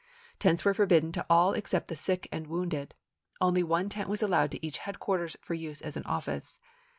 Tents were forbidden to all except the sick and wounded ; only one tent was allowed to each headquarters for use as an office.